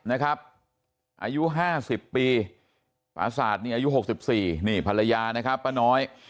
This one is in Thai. อายุ๕๐ปีประสาทนี่อายุ๖๔นี่ภรรยานะครับป้าน้อย